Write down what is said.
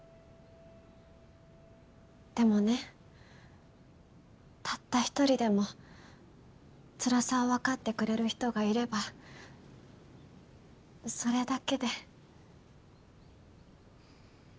でもねたった一人でもつらさをわかってくれる人がいればそれだけで。